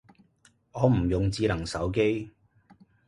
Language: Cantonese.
我唔用智能手機